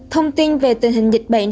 thông tin về tình hình dịch bệnh